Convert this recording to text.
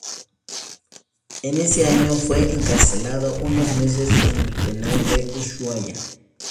En ese año fue encarcelado unos meses en el Penal de Ushuaia.